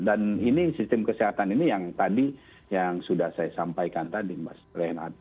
dan ini sistem kesehatan ini yang tadi yang sudah saya sampaikan tadi mas renan